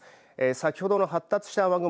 先ほどの発達した雨雲